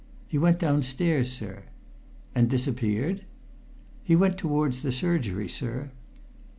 "He went downstairs, sir." "And disappeared?" "He went towards the surgery, sir."